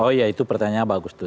oh ya itu pertanyaan bagus tuh